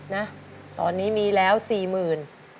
นะตอนนี้มีแล้ว๔๐๐๐บาท